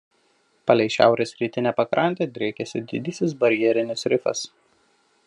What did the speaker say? Palei šiaurės rytinę pakrantę driekiasi Didysis barjerinis rifas.